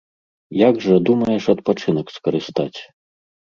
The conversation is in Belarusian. Як жа думаеш адпачынак скарыстаць?